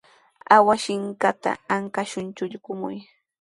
Awashinkaqa ankashqa chuqllumi.